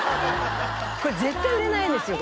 これ絶対売れないんですよ